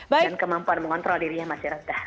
dan kemampuan mengontrol dirinya masih reda